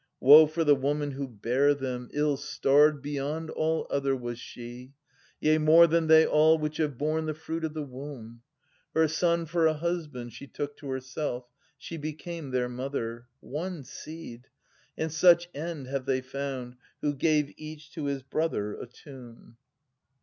Woe for the woman who bare them, ill starred beyond all other Was she, yea, more than they all which have borne the fruit of the womb ! Her son for a husband she took to herself ; she became their mother ! 930 One seed — and such end have they found, who gave each to his brother a tomb